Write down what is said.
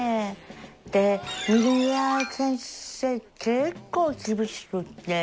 で三浦先生結構厳しくって。